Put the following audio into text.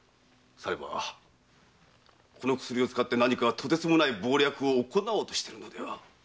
さればその薬を使って何かとてつもない謀略を行おうとしているのでは。